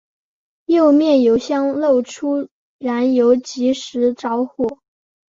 右面油箱漏出燃油即时着火。